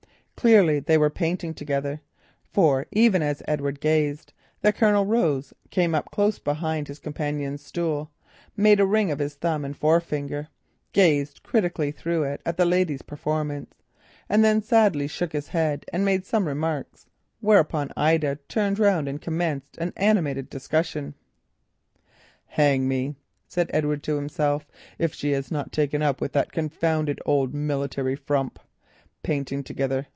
Clearly they were painting together, for as Edward gazed, the Colonel rose, came up close behind his companion's stool, made a ring of his thumb and first finger, gazed critically through it at the lady's performance, then sadly shook his head and made some remark. Thereupon Ida turned round and began an animated discussion. "Hang me," said Edward to himself, "if she has not taken up with that confounded old military frump. Painting together!